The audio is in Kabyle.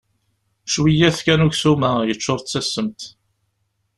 Cwiyya-t kan uksum-a, yeččur d tasemt.